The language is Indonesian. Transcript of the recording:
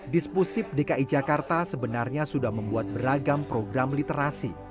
dispusip dki jakarta sebenarnya sudah membuat beragam program literasi